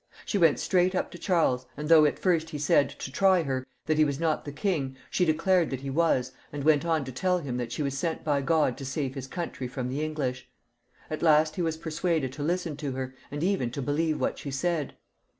She went straight up to Charles, and though at first he said, to try her, that he was not the king, she declared that he was, and went on to tell him that she was sent by God to save his country from the English. At last he was per suaded to listen to her, and even to believe what she said.